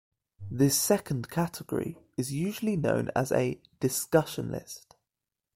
This second category is usually known as a "discussion list".